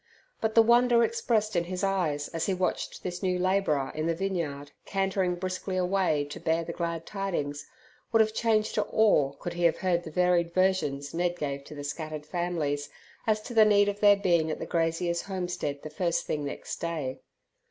But the wonder expressed in his eyes, as he watched this new labourer in the vineyard cantering briskly away to bear the glad tidings, would have changed to awe could he have heard the varied versions Ned gave to the scattered families as to the need of their being at the grazier's homestead the first thing next day.